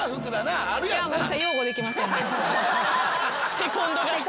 セコンドが。